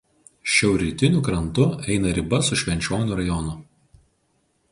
Šiaurrytiniu krantu eina riba su Švenčionių rajonu.